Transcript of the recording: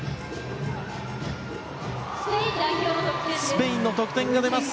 スペインの得点が出ます。